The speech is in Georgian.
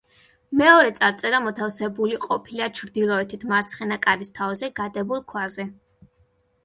მეორე წარწერა მოთავსებული ყოფილა ჩრდილოეთით მარცხენა კარის თავზე გადებულ ქვაზე.